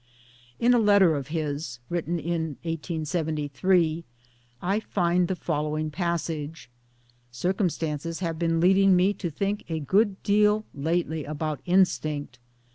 In a letter of his (written in '73) I find the follow ing passage :" Circumstances have been leading me to think a good deal lately about Instinct.